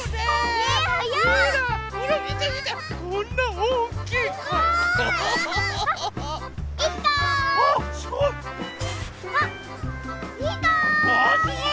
えすごい！